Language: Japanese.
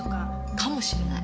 かもしれない。